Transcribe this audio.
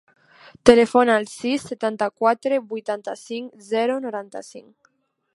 Telefona al sis, setanta-quatre, vuitanta-cinc, zero, noranta-cinc.